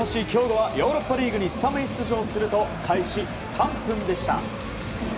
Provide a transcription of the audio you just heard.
亨梧はヨーロッパリーグにスタメン出場すると開始３分でした。